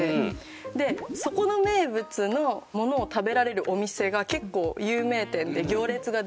でそこの名物のものを食べられるお店が結構有名店で行列ができるって。